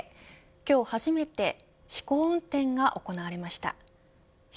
今日、初めて試験飛行が行われました。